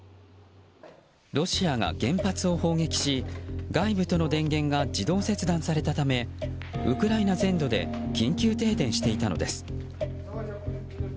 ロシアが原発を砲撃し、外部との電源が自動切断されたためウクライナ全土で緊急停電していたのです。